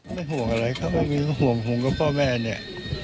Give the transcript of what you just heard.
ไม่ห่วงอะไรเค้าไม่มีห่วงห่วงกับพ่อแม่นี่